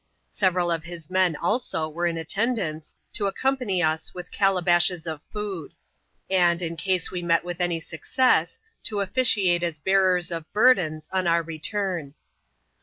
Several of his men, also, were in attendance, to accompany us with calabashes of food ; and, in case we met with any success, to officiate as bearers of burdens, on our return.